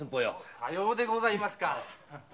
さようでございますか。